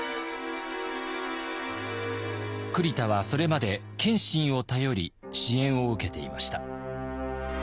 栗田はそれまで謙信を頼り支援を受けていました。